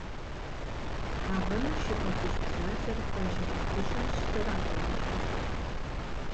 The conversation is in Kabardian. Агъэну шы пэхужь бзаджэр къуажэ гъуэгужьым щызэрагъажэ.